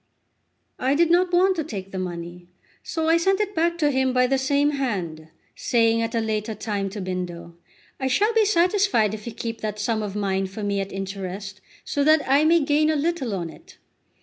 I did not want to take the money, so I sent it back to him by the same hand, saying at a later time to Bindo: "I shall be satisfied if you keep that sum of mine for me at interest, so that I may gain a little on it."